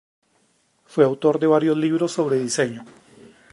Fue autor de varios libros sobre diseño.